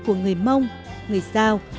của người mông người giao